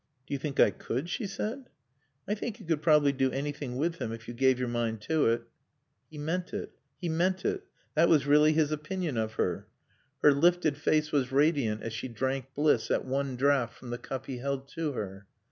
"Do you think I could?" she said. "I think you could probably do anything with him if you gave your mind to it." He meant it. He meant it. That was really his opinion of her. Her lifted face was radiant as she drank bliss at one draught from the cup he held to her.